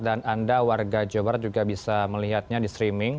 dan anda warga jawa barat juga bisa melihatnya di streaming